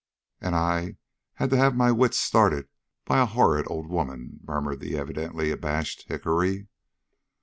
"And I had to have my wits started by a horrid old woman," murmured the evidently abashed Hickory.